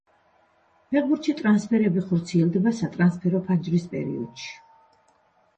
ფეხბურთში ტრანსფერები ხორციელდება სატრანსფერო ფანჯრის პერიოდში.